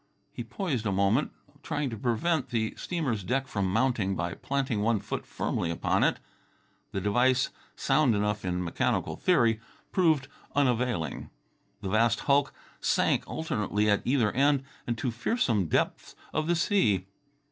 He poised a moment, trying to prevent the steamer's deck from mounting by planting one foot firmly upon it. The device, sound enough in mechanical theory, proved unavailing. The vast hulk sank alternately at either end, and to fearsome depths of the sea.